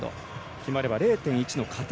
決まれば０．１の加点。